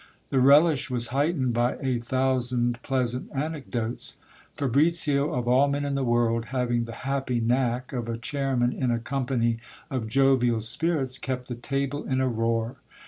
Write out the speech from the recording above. The relish was heightened by a thousand pleasant anecdotes. Fabricio, of all men in the world, having the happy knack of a chairman in a company of jovial spirits, kept the table in a roar.